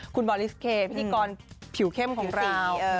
คุณบอลิสเคพิธีกรผิวเข้มของเรา